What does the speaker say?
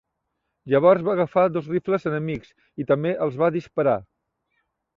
Llavors va agafar dos rifles enemics i també els va disparar.